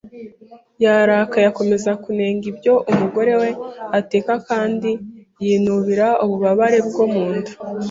Yararakaye, akomeza kunenga ibyo umugore we ateka kandi yinubira ububabare bwo mu nda